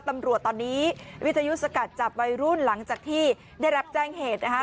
ตำรวจตอนนี้วิทยุสกัดจับวัยรุ่นหลังจากที่ได้รับแจ้งเหตุนะคะ